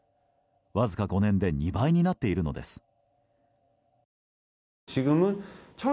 わずか５年で２倍になっているのです。